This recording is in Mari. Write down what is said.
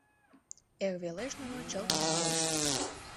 Эр велеш нуно чылт нойышт.